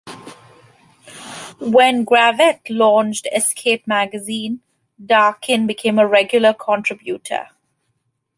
When Gravett launched "Escape Magazine" Dakin became a regular contributor.